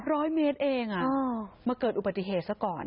ร้อยเมตรเองมาเกิดอุบัติเหตุซะก่อน